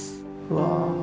うわ！